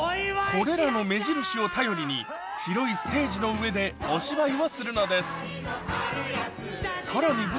これらの目印を頼りに広いステージの上でお芝居をするのですさらに